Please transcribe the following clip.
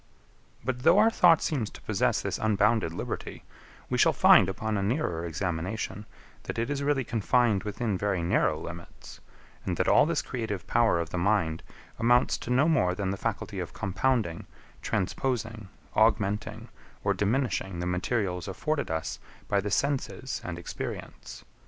But though our thought seems to possess this unbounded liberty, we shall find, upon a nearer examination, that it is really confined within very narrow limits, and that all this creative power of the mind amounts to no more than the faculty of compounding, transposing, augmenting, or diminishing the materials afforded us by the senses and experience.